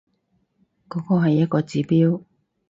嗰個係一個指標